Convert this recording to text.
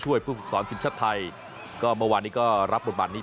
ช่วยผู้ฝึกสอนชินชัดไทยก็เมื่อวานนี้ก็รับบทบาทนี้